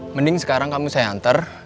mending sekarang kamu saya anter